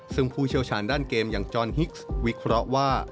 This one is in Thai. ซึ่งผู้เชี่ยวชาญด้านเกมอย่างจอนฮิกซ์วิเคราะห์ว่า